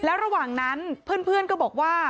ระหว่างนั้นเพื่อนก็บอกว่า